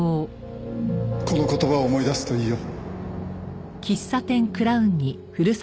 この言葉を思い出すといいよ。